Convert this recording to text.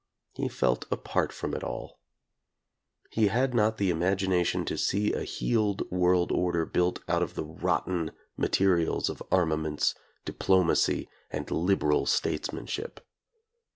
He felt apart from it all. He had not the imagination to see a healed world order built out of the rotten materials of armaments, diplomacy and "liberal" statesmanship.